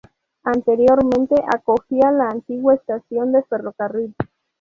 Anteriormente, acogía la antigua estación de ferrocarril.